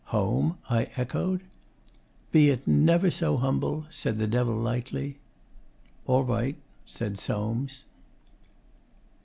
'Home?' I echoed. 'Be it never so humble!' said the Devil lightly. 'All right,' said Soames.